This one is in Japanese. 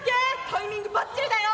タイミングばっちりだよ！